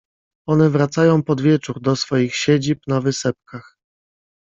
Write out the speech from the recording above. - One wracają pod wieczór do swoich siedzib na wysepkach.